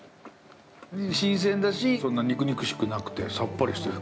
新鮮だし、そんな肉々しくなくて、さっぱりしてる。